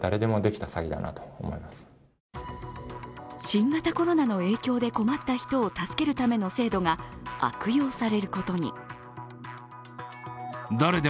新型コロナの影響で困った人を助けるための制度が悪用されることに。